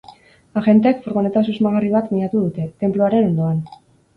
Agenteek furgoneta susmagarri bat miatu dute, tenpluaren ondoan.